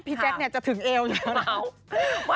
พี่แจ๊คจะถึงเอวแล้วนะ